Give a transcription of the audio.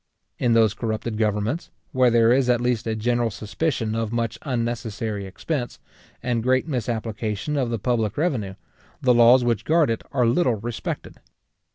In those corrupted governments, where there is at least a general suspicion of much unnecessary expense, and great misapplication of the public revenue, the laws which guard it are little respected.